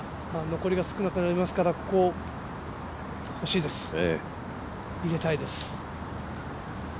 残りが少なくなりますからここ、ほしいです、入れたいです。